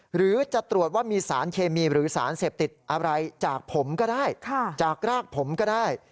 หรือจะตรวจว่ามีสารเคมีหรือสารเสพติดอะไรจากผมก็ได้จากรากผมก็ได้